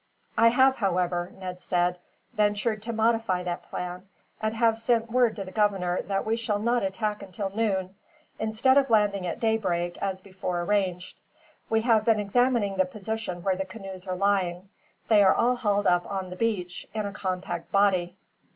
"I have, however," Ned said, "ventured to modify that plan, and have sent word to the governor that we shall not attack until noon, instead of landing at daybreak, as before arranged. We have been examining the position where the canoes are lying. They are all hauled up on the beach, in a compact body.